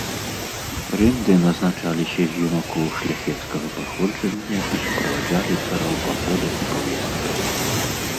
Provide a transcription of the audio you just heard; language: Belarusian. Рынды назначаліся з юнакоў шляхецкага паходжання і суправаджалі цара ў паходах і паездках.